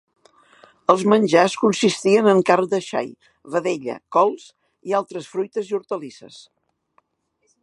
Els menjars consistien en carn de xai, vedella, cols i altres fruites i hortalisses.